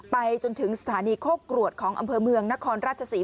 ไปจนถึงสถานีโคกรวดของอำเภอเมืองนครราชศรี